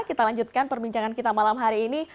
kita lanjutkan perbincangan kita malam hari ini